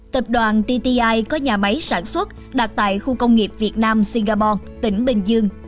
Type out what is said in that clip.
tập đoàn tti có nhà máy sản xuất đặt tại khu công nghiệp việt nam singapore tỉnh bình dương